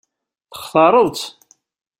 Textaṛeḍ-tt?